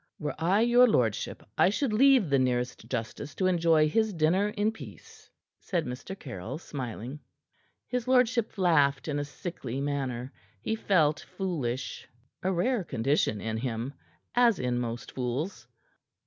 "Were I your lordship, I should leave the nearest justice to enjoy his dinner in peace," said Mr. Caryll, smiling. His lordship laughed in a sickly manner. He felt foolish a rare condition in him, as in most fools.